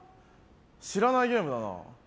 知らないゲームだな